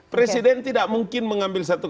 presiden tidak mungkin mengambil satu